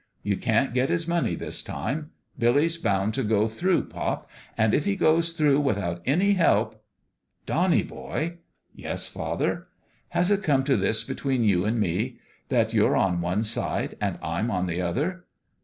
You can't get his money, this time. Billy's bound to go through, pop. And if he gets through without any help "" Donnie, boy !" Yes, father?" " Has it come to this between you and me : that you're on one side and I'm on the other?"